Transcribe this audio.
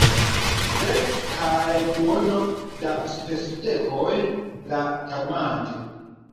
Sep kaj duono da spesdekoj la tagmanĝo!